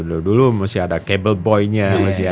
dulu dulu masih ada kabel boy nya